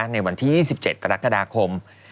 ในวันที่๒๗กรกฎาคม